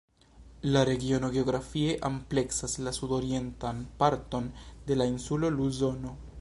La regiono geografie ampleksas la sudorientan parton de la insulo Luzono.